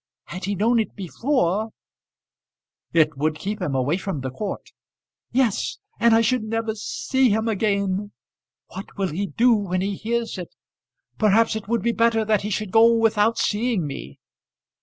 Had he known it before " "It would keep him away from the court." "Yes, and I should never see him again! What will he do when he hears it? Perhaps it would be better that he should go without seeing me."